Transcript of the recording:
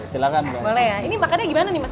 silahkan mbak boleh ya ini makannya bagaimana nih mas